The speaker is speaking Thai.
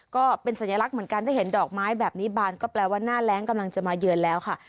ก็เป็นสัญลักษณ์เหมือนกันถ้าเห็นดอกไม้แบบนี้บานก็แปลว่าหน้าแรงกำลังจะมาเยือนแล้วค่ะ